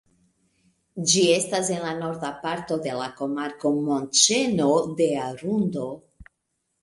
Ĝi estas en la norda parto de la komarko Montĉeno de Arundo.